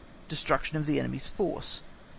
1. Destruction of enemy's force 1.